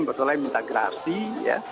setelah minta grafi ya